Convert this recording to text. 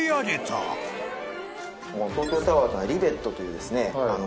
東京タワーとはリベットというですね